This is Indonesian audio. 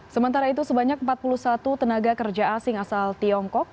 sementara itu sebanyak empat puluh satu tenaga kerja asing asal tiongkok